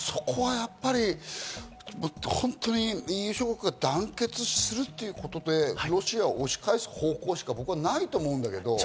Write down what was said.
そこはやっぱり本当にＥＵ諸国が団結するということで、ロシアを押し返す方向しか僕はないと思うんだけど。